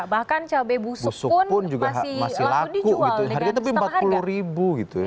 bahkan cabai busuk pun masih laku harganya tapi rp empat puluh gitu ya